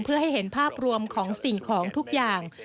เพื่อให้เห็นภาพรวมของสิ่งของทุกอย่าง